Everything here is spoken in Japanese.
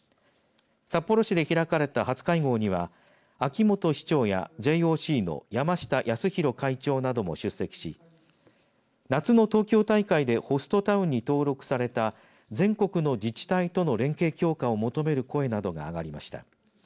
札幌市で開かれた初会合には秋元市長やＪＯＣの山下泰裕会長なども出席し夏の東京大会でホストタウンに登録された全国の自治体との連携強化を求める声などが上がりました。